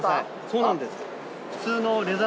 そうなんです。